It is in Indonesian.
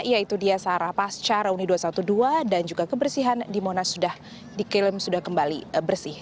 yaitu dia searah pasca reuni dua ratus dua belas dan juga kebersihan di monas sudah diklaim sudah kembali bersih